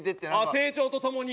成長とともに？